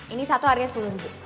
ini satu harganya sepuluh ribu